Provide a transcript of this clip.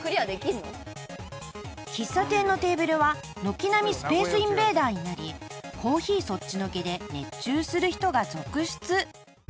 ［喫茶店のテーブルは軒並み『スペースインベーダー』になりコーヒーそっちのけで熱中する人が続出］